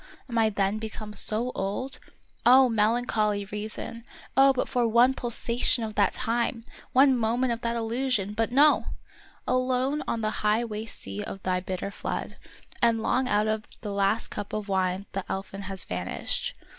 Am I then become so old? Oh, melancholy reason! Oh, but for one pulsation of that time ! one moment of that illusion ! But no ! alone on the high waste sea of thy bitter flood I and long out of the last cup of wine the elfin has vanished